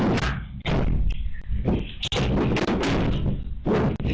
กำลังไป